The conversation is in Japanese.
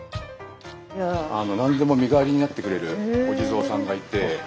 何でも身代わりになってくれるお地蔵さんがいて。